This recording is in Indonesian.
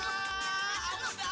ya ampun dah